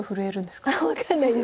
分かんないですけど。